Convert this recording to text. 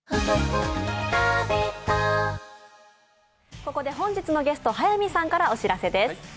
ここで本日のゲスト・早見さんからお知らせです。